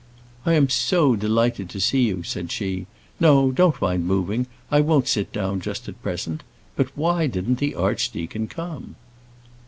"I am so delighted to see you," said she. "No, don't mind moving; I won't sit down just at present. But why didn't the archdeacon come?"